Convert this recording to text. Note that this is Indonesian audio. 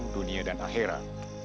dunia dan akhirat